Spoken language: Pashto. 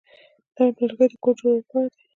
نرم لرګي د کور جوړولو لپاره دي.